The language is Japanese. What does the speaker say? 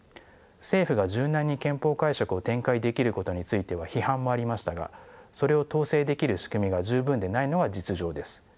政府が柔軟に憲法解釈を展開できることについては批判もありましたがそれを統制できる仕組みが十分でないのが実情です。